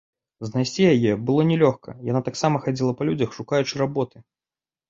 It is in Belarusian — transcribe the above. Знайсці яе было нялёгка, яна таксама хадзіла па людзях, шукаючы работы.